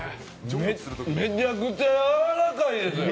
めちゃくちゃやわらかいです。